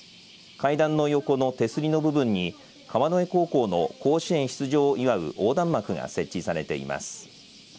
階段の横の手すりの部分に川之江高校の甲子園出場を祝う横断幕が設置されています。